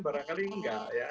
barangkali enggak ya